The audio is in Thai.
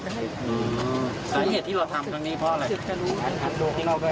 สาเหตุที่เราทำครั้งนี้เพราะอะไร